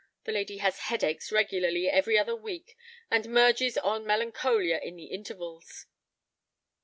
The lady has headaches regularly every other week, and merges on melancholia in the intervals."